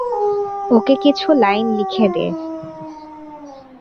ওকে কিছু লাইন লিখে দে।